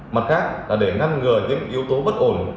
mặt khác là để ngăn ngừa